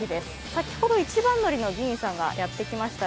先ほど、一番乗りの議員さんがやってきました。